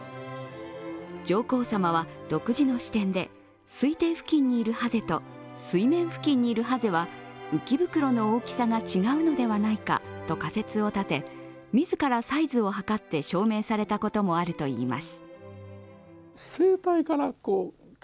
上皇さまは独自の視点で水底付近にいるハゼと水面付近にいるハゼはうきぶくろの大きさが違うのではないかと仮説を立て自らサイズをはかって証明されたこともあるといいます。